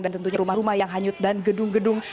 dan tentunya rumah rumah yang hanyut dan gedung gedung